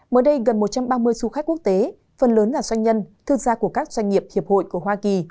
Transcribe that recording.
mới đây gần một trăm ba mươi du khách quốc tế phần lớn là doanh nhân thương gia của các doanh nghiệp hiệp hội của hoa kỳ